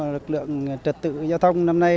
lực lượng trật tự giao thông năm nay